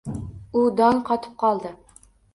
U dong qotib qoldi.